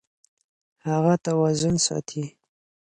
هغه توازن ساتي.